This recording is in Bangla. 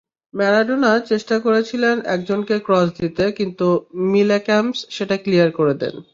ম্যারাডোনা চেষ্টা করেছিলেন একজনকে ক্রস দিতে, কিন্তু মিলেক্যাম্পস সেটা ক্লিয়ার করে দেন।